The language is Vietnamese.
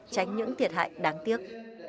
tránh những thiệt hại đáng tiếc